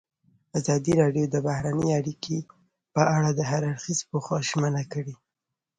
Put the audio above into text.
ازادي راډیو د بهرنۍ اړیکې په اړه د هر اړخیز پوښښ ژمنه کړې.